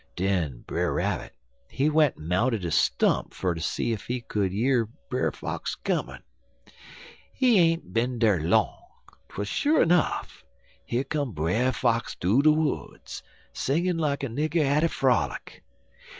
Den Brer Rabbit, he went'n mounted a stump fer ter see ef he could year Brer Fox comin'. He ain't bin dar long, twel sho' enuff, yer come Brer Fox thoo de woods, singing like a nigger at a frolic.